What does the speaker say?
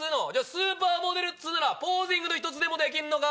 スーパーモデルっつうならポージングでもできんのか？